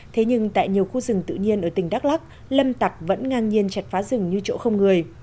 thế nhưng tại nhiều khu rừng tự nhiên ở tỉnh đắk lắc lâm tặc vẫn ngang nhiên chặt phá rừng như chỗ không người